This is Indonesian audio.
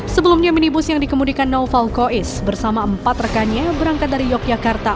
sebelumnya minibus yang dikemudikan naufal kois bersama empat rekannya berangkat dari yogyakarta